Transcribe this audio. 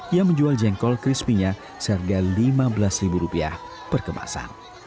ia menjual jengkol crispy nya seharga lima belas rupiah per kemasan